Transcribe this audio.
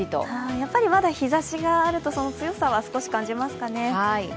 やっぱりまだ日ざしがあるとその強さは少し感じますかね。